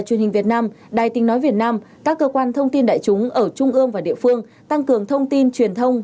các cơ quan thông tin đại chúng ở trung ương và địa phương tăng cường thông tin truyền thông